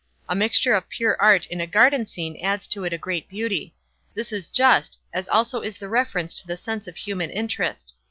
A mixture of pure art in a garden scene adds to it a great beauty. This is just; as also is the reference to the sense of human interest.